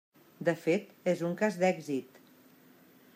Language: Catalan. De fet és un cas d'èxit.